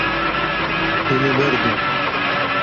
Hûn ê berdin.